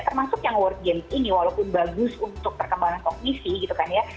termasuk yang world games ini walaupun bagus untuk perkembangan kognisi gitu kan ya